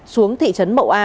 xuống thị trấn bậu a